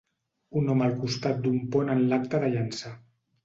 Un home al costat d'un pont en l'acte de llançar.